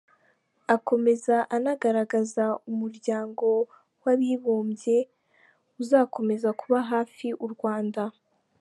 Akomeza anagaragaza Umuryango w’Abibumbye uzakomeza kuba hafi u Rwanda.